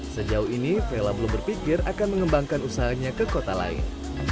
sejauh ini vela belum berpikir akan mengembangkan usahanya ke kota lain